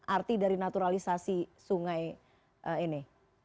arti dari naturalisasi sungai ini